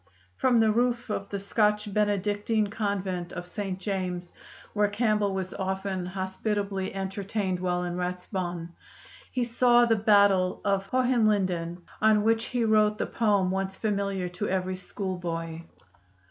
From the roof of the Scotch Benedictine Convent of St. James, where Campbell was often hospitably entertained while in Ratisbon, he saw the battle of Hohenlinden, on which he wrote the poem once familiar to every schoolboy.